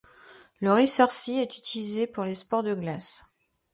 Le Rießersee est utilisé pour les sports de glace.